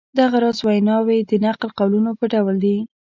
دغه راز ویناوی د نقل قولونو په ډول دي.